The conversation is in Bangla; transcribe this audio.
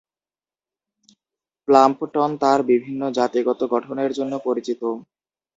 প্লাম্পটন তার বিভিন্ন জাতিগত গঠনের জন্য পরিচিত।